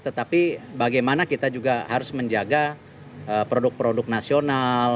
tetapi bagaimana kita juga harus menjaga produk produk nasional